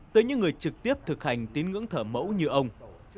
tới những người trực tiếp thực hành tín ngưỡng thở mẫu như ông